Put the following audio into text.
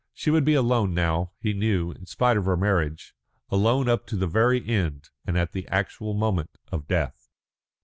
She would be alone now, he knew, in spite of her marriage, alone up to the very end and at the actual moment of death.